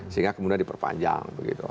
sehingga kemudian diperpanjang begitu